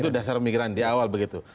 itu dasar pemikiran di awal begitu